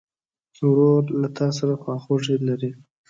ورور له تا سره خواخوږي لري.